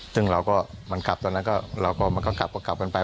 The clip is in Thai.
ซึ่งเราก็มันกลับตอนนั้นเราก็มันก็กลับก็กลับกันไป